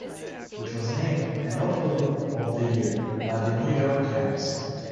It was named a Notable Book of the Year by "The New York Times".